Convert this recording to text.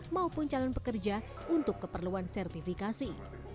maupun calon pekerja untuk keperluan sertifikasi